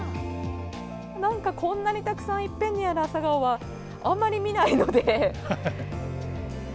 なんかこんなにたくさんいっぺんにある朝顔はあんまり見ないので。